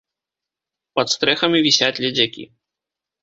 Пад стрэхамі вісяць ледзякі.